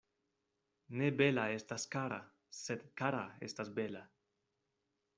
Ne bela estas kara, sed kara estas bela.